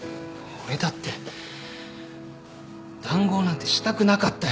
俺だって談合なんてしたくなかったよ。